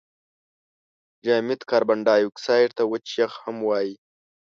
جامد کاربن دای اکساید ته وچ یخ هم وايي.